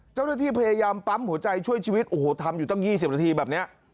เจ้าหน้าที่พยายามปั๊มหัวใจช่วยชีวิตโอ้โหทำอยู่ตั้ง๒๐นาทีแบบนี้